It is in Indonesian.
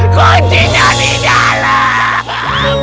kuncinya di dalam